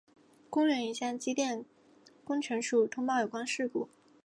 公园已向机电工程署通报有关事故。